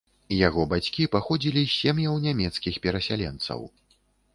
Яго бацькі паходзілі з сем'яў нямецкіх перасяленцаў.